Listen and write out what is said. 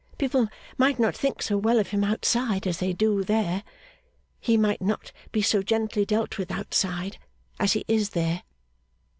People might not think so well of him outside as they do there. He might not be so gently dealt with outside as he is there.